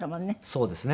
そうですね。